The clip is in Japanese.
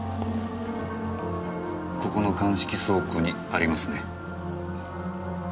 ここの鑑識倉庫にありますね。